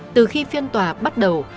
từ khi phiên tòa bắt đầu